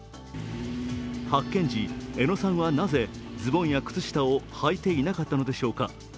発見時、江野さんはなぜズボンや靴下をはいていなかったのでしょうか。